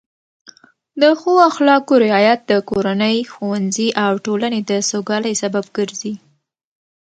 د ښو اخلاقو رعایت د کورنۍ، ښوونځي او ټولنې د سوکالۍ سبب ګرځي.